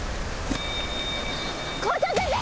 校長先生！